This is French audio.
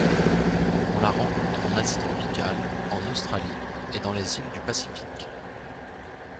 On la rencontre en Asie tropicale, en Australie et dans les iles du Pacifique.